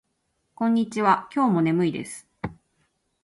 こんにちは。今日も眠いです。